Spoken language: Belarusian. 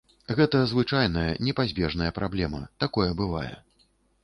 Гэта звычайная непазбежная праблема, такое бывае.